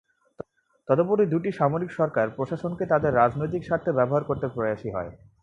তদুপরি দুটি সামরিক সরকার প্রশাসনকে তাদের রাজনৈতিক স্বার্থে ব্যবহার করতে প্রয়াসী হয়।